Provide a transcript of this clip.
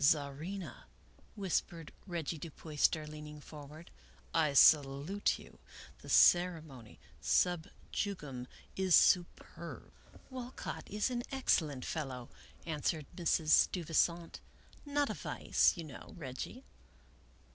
Czarina," whispered Reggie Du Puyster, leaning for ward, " I salute you. The ceremony stib jugum is superb." " Walcott is an excellent fellow," answered Mrs. Steuvi sant; " not a vice, you know, Reggie."